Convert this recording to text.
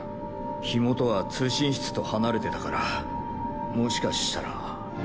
火元は通信室と離れてたからもしかしたら。